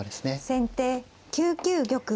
先手９九玉。